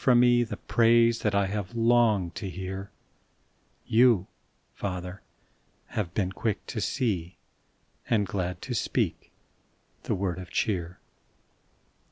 from me The praise that I have longed to hear, Y>u, Father, have been quick to see Ar^d glad to speak the word of cheer.